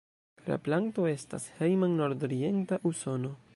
La planto estas hejma en nordorienta Usono.